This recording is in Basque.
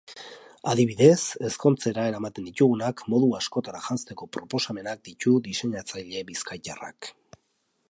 Adibidez, ezkontzera eramaten ditugunak modu askotara janzteko proposamenak ditu diseinatzaile bizkaitarrak.